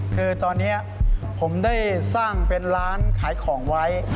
คือตอนนี้ผมได้สร้างเป็นร้านขายของไว้